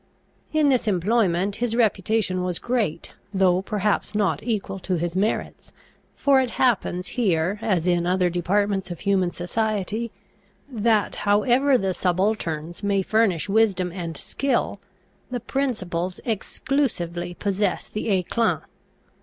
In this employment his reputation was great, though perhaps not equal to his merits; for it happens here as in other departments of human society, that, however the subalterns may furnish wisdom and skill, the principals exclusively possess the éclat.